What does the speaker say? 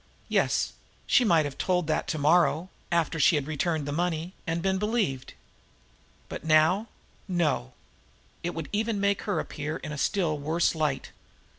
Yes, she might have told that to morrow, after she had returned the money, and been believed. But now no! It would even make her appear in a still worse light.